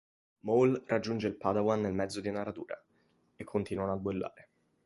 Maul raggiunge il Padawan nel mezzo di una radura, e continuano a duellare.